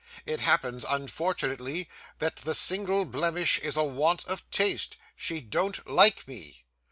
It happens, unfortunately, that that single blemish is a want of taste. She don't like me.